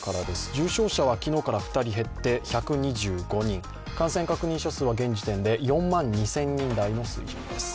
重症者は昨日から２人減って１２５人、感染確認者数は現時点で４万２０００人台の数字です。